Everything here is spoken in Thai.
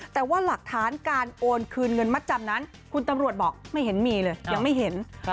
แต่ว่าหลักฐานการโอนคืนเงินมัดจำนั้นคุณตำรวจบอกไม่เห็นมีเลยยังไม่เห็น